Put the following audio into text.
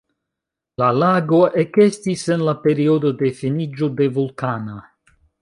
La lago ekestis en la periodo de finiĝo de vulkana.